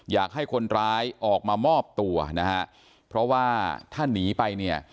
อยากให้คนร้ายออกมามอบตัวนะฮะเพราะว่าถ้าหนีไปเนี่ย